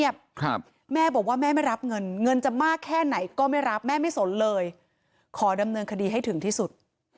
ครับแม่บอกว่าแม่ไม่รับเงินเงินจะมากแค่ไหนก็ไม่รับแม่ไม่สนเลยขอดำเนินคดีให้ถึงที่สุด